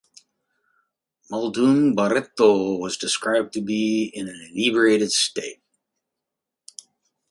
Muldoon Barreto was described to be in an inebriated state.